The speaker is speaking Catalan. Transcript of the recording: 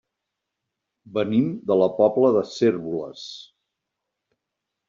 Venim de la Pobla de Cérvoles.